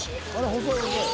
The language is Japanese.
細い細い。